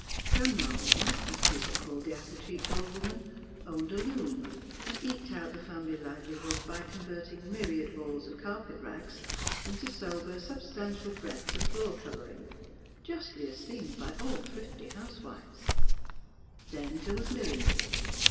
Grandma Orne — as people called the apple cheeked old woman — owned a loom, and eked out the family livelihood by con verting myriad balls of carpet rags into sober, substantial breadths of floor covering, justly es teemed by all thrifty housewives. Then there was Milly.